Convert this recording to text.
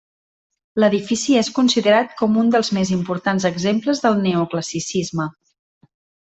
L'edifici és considerat com un dels més importants exemples del Neoclassicisme.